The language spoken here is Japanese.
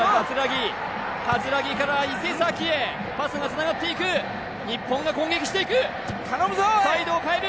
木から伊勢崎へパスがつながっていく日本が攻撃していく頼むぞおい